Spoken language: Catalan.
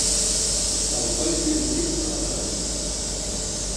El coll més ric de la baralla.